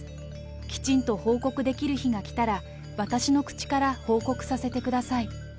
きちんと報告できる日が来たら、私の口から報告させてください。